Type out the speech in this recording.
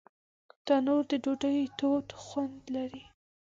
تنور د ډوډۍ تود خوند لري